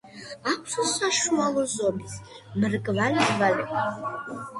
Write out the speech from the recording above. აქვს საშუალო ზომის, მრგვალი თვალები.